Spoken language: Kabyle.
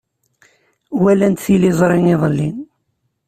Walant tiliẓri iḍelli.